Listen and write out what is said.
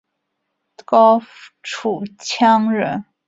高阇羌人。